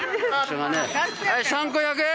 はい３個１００円！